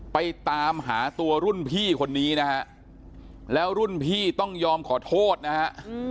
ไปตามหาตัวรุ่นพี่คนนี้นะฮะแล้วรุ่นพี่ต้องยอมขอโทษนะฮะ